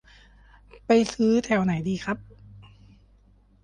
ไปซื้อแถวไหนดีครับ